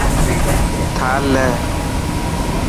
ٿال لي .